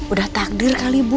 udah takdir kali bu